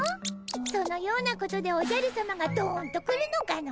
そのようなことでおじゃるさまがどんと来るのかの？